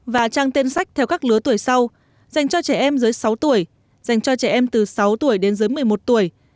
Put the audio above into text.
và trang tên sách theo các lứa tuổi sau dành cho trẻ em dưới sáu tuổi dành cho trẻ em từ sáu tuổi đến dưới một mươi một tuổi